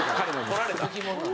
取られた。